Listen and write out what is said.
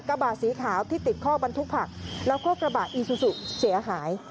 กระบะสีขาวที่ติดข้อบรรทุกผักแล้วก็กระบะอีซูซูเสียหาย